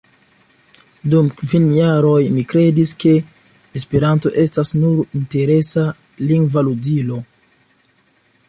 Dum kvin jaroj mi kredis, ke Esperanto estas nur interesa lingva ludilo.